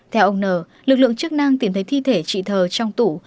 theo ông nờ lực lượng chức năng tìm thấy thi thể trị thờ trong tủ